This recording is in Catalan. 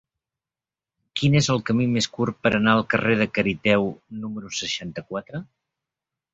Quin és el camí més curt per anar al carrer de Cariteo número seixanta-quatre?